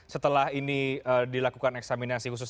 setelah ini dilakukan eksaminasi khusus